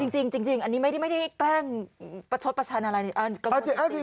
จริงอันนี้ไม่ได้แกล้งประชดประชันอะไร